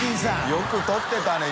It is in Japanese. よく撮ってたね